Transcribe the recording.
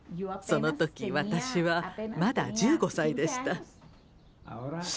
その時私はまだ１５歳でした。